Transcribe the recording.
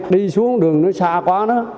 đi xuống đường nó xa quá đó